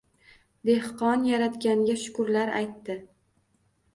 Dehqon Yaratganga shukrlar aytdi